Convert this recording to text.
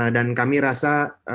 dan kami rasa